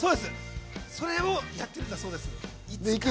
それをやってるんだそうです。